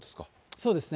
そうですね。